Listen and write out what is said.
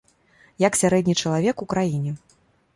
Як сярэдні чалавек у краіне.